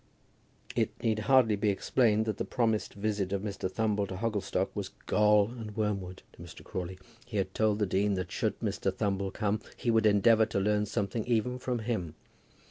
It need hardly be explained that the promised visit of Mr. Thumble to Hogglestock was gall and wormwood to Mr. Crawley. He had told the dean that should Mr. Thumble come, he would endeavour to learn something even from him.